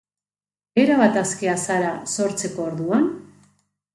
Erabat askea zara sortzeko orduan?